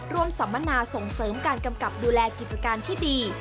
สัมมนาส่งเสริมการกำกับดูแลกิจการที่ดี